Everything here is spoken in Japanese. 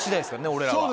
俺らは。